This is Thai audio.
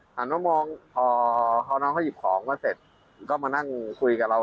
หันมามองพอน้องเขาหยิบของมาเสร็จก็มานั่งคุยกับเรา